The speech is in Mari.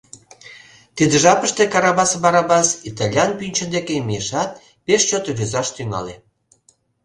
Тиде жапыште Карабас Барабас итальян пӱнчӧ деке мийышат пеш чот рӱзаш тӱҥале: